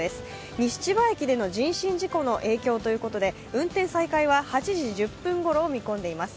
西千葉駅での人身事故の影響ということで運転再開は８時１０分ごろを見込んでいます。